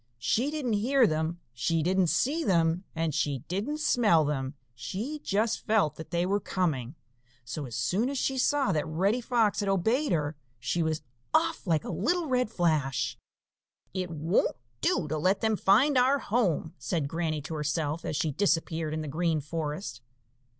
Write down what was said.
She didn't hear them, she didn't see them, and she didn't smell them; she just felt that they were coming. So as soon as she saw that Reddy Fox had obeyed her, she was off like a little red flash. "It won't do to let them find our home," said Granny to herself, as she disappeared in the Green Forest.